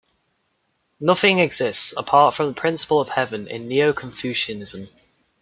Nothing exists apart from the Principle of Heaven in Neo-Confucianism.